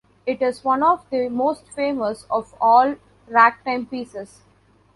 It is one of the most famous of all ragtime pieces.